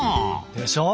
でしょ！